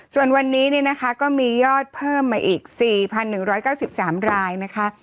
ส่วนวันนี้เนี่ยนะคะก็มียอดเพิ่มมาอีกสี่พันหนึ่งร้อยเก้าสิบสามรายนะคะ